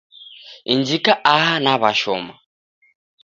Injika aha naw'ashoma.